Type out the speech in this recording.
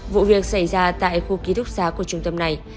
vụ việc xảy ra tại khu ký túc xá của trung tâm này